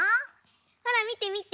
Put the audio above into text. ほらみてみて。